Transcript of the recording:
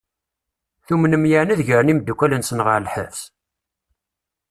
Tumnem yeɛni ad gren imdukal-nsen ɣer lḥebs?